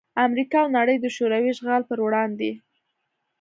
امریکا او نړۍ دشوروي اشغال پر وړاندې